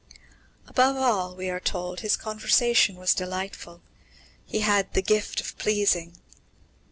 Above all, we are told, his conversation was delightful. He had "the gift of pleasing."